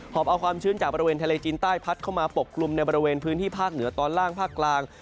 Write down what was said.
อบเอาความชื้นจากบริเวณทะเลจีนใต้พัดเข้ามาปกกลุ่มในบริเวณพื้นที่ภาคเหนือตอนล่างภาคกลาง